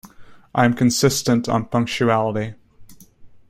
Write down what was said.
I am consistent on punctuality.